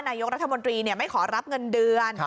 นายกรัฐมนตรีไม่ขอรับเงินเดือน